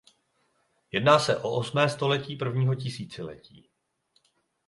Jedná se o osmé století prvního tisíciletí.